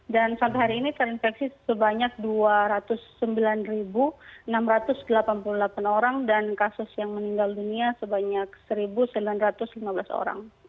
dan sampai hari ini terinfeksi sebanyak dua ratus sembilan enam ratus delapan puluh delapan orang dan kasus yang meninggal dunia sebanyak satu sembilan ratus lima belas orang